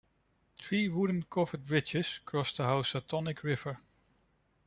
Three wooden covered bridges cross the Housatonic River.